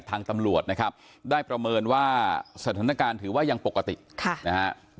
ทางตำรวจนะครับได้ประเมินว่าสถานการณ์ถือว่ายังปกตินะฮะ